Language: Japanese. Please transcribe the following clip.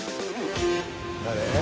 誰？